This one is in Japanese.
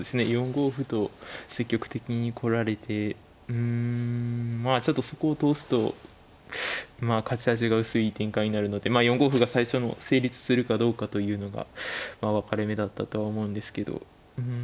４五歩と積極的に来られてうんまあちょっとそこを通すとまあ勝ち味が薄い展開になるので４五歩が最初の成立するかどうかというのがまあ分かれ目だったとは思うんですけどうん